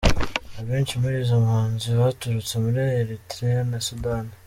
Abenshi muri izo mpunzi baturutse muri Érythrée na Sudani.